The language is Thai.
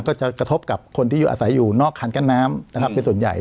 ก็จะกระทบกับคนที่อยู่อาศัยอยู่นอกคันกั้นน้ำนะครับเป็นส่วนใหญ่